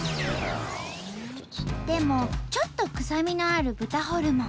でもちょっと臭みのある豚ホルモン。